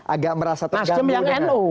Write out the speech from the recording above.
agak merasa terganggu